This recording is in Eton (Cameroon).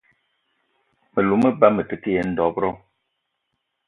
Me lou me ba me te ke yen dob-ro